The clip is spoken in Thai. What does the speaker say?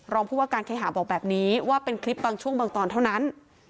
ผู้ว่าการเคหาบอกแบบนี้ว่าเป็นคลิปบางช่วงบางตอนเท่านั้น